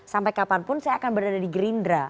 sampai kapanpun saya akan berada di gerindra